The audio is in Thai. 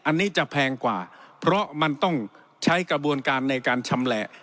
อันนี้จะแพงกว่าเพราะมันต้องใช้กระบวนการในการชำแหละ